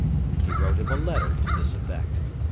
He wrote him a letter to this effect.